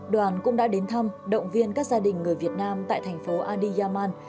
đoàn cũng đã đến thăm động viên các gia đình người việt nam tại thành phố adiyaman